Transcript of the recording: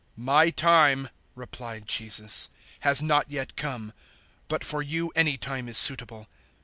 007:006 "My time," replied Jesus, "has not yet come, but for you any time is suitable.